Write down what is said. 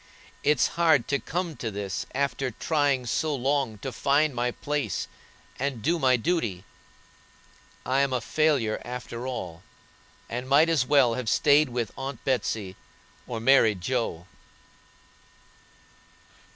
It's hard to come to this after trying so long to find my place, and do my duty. I'm a failure after all, and might as well have stayed with Aunt Betsey or married Joe."